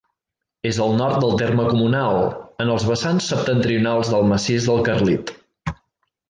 És al nord del terme comunal, en els vessants septentrionals del Massís del Carlit.